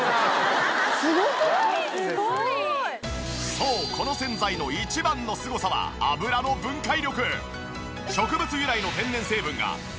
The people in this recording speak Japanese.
そうこの洗剤の一番のすごさは油の分解力。